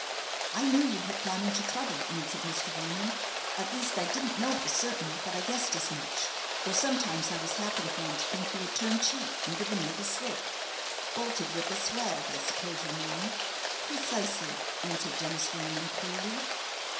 "I knew you had got into trouble," answered Mr. Wayman. "At least, I didn't know for certain, but I guessed as much; though sometimes I was half inclined to think you had turned cheat, and given me the slip." "Bolted with the swag, I suppose you mean?" "Precisely!" answered Dennis Wayman, coolly.